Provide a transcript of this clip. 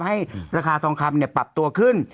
ให้ราคาทองคำปรับตัวขึ้น